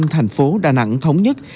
thành phố đà nẵng thống nhất